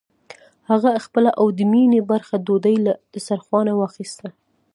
هغه خپله او د مينې برخه ډوډۍ له دسترخوانه واخيسته.